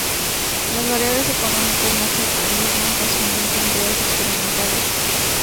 Las variables económicas no se aíslan fácilmente en pruebas experimentales.